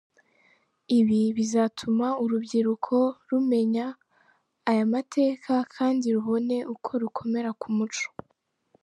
Ibi bizatuma urubyiruko rumenya aya mateka kandi rubone uko rukomera ku muco.